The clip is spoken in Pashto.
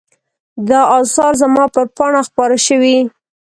دا آثار زما پر پاڼه خپاره شوي.